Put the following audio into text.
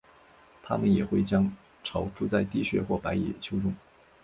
它们也会将巢筑在地穴或白蚁丘中。